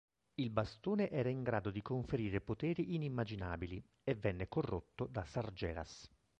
Il bastone era in grado di conferire poteri inimmaginabili, e venne corrotto da Sargeras.